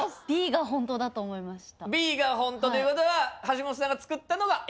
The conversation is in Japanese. Ｂが本当ということは橋本さんが作ったのがＡ。